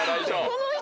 この人。